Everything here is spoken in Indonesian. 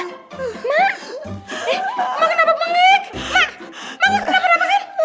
ma mau kenapa napain